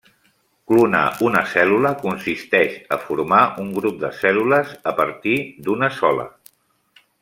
Clonar una cèl·lula consisteix a formar un grup de cèl·lules a partir d'una sola.